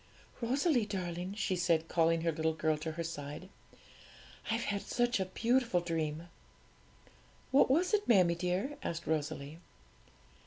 'Rosalie darling,' she said, calling her little girl to her side, 'I've had such a beautiful dream!' 'What was it, mammie dear?' asked Rosalie.